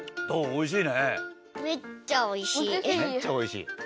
おいしい。